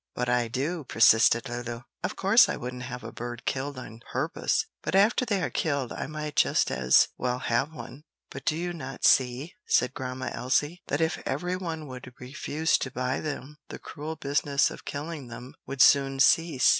"But I do," persisted Lulu. "Of course I wouldn't have a bird killed on purpose, but after they are killed I might just as well have one." "But do you not see," said Grandma Elsie, "that if every one would refuse to buy them, the cruel business of killing them would soon cease?